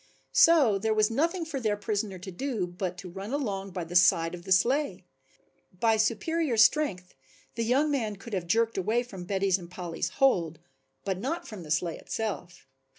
So there was nothing for their prisoner to do but to run along by the side of the sleigh. By superior strength the young man could have jerked away from Betty's and Polly's hold, but not from the sleigh itself.